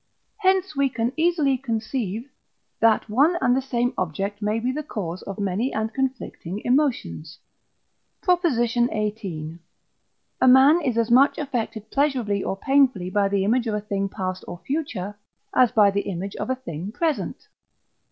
Hence we can easily conceive, that one and the same object may be the cause of many and conflicting emotions. PROP. XVIII. A man is as much affected pleasurably or painfully by the image of a thing past or future as by the image of a thing present.